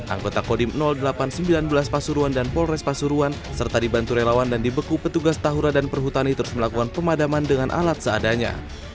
anggota kodim delapan ratus sembilan belas pasuruan dan polres pasuruan serta dibantu relawan dan dibeku petugas tahura dan perhutani terus melakukan pemadaman dengan alat seadanya